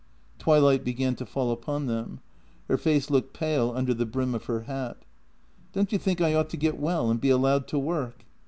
Twilight began to fall upon them. Her face looked pale under the brim of her hat. " Don't you think I ought to get well, and be allowed to work?